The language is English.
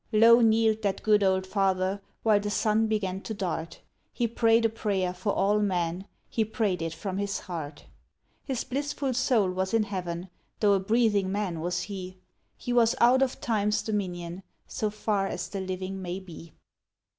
Low kneel'd that good old Father while the sun began to dart; He pray'd a prayer for all men, he pray'd it from his heart. His blissful soul was in Heaven, tho' a breathing man was he; He was out of time's dominion, so far as the living may be.